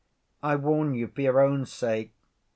I warn you for your own sake.